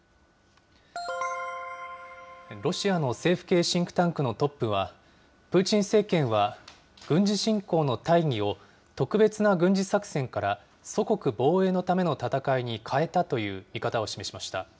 ロシアの政府系シンクタンクのトップは、プーチン政権は軍事侵攻の大義を、特別な軍事作戦から祖国防衛のための戦いに変えたという見方を示しました。